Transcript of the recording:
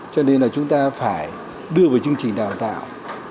cho nên là chúng ta phải đưa vào chương trình đào tạo